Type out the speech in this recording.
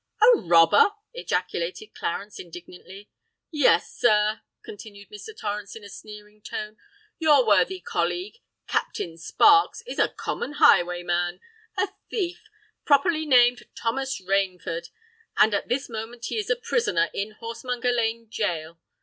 "A robber!" ejaculated Clarence indignantly. "Yes, sir," continued Mr. Torrens, in a sneering tone; "your worthy colleague, Captain Sparks, is a common highwayman—a thief—properly named Thomas Rainford; and at this moment he is a prisoner in Horsemonger Lane Gaol.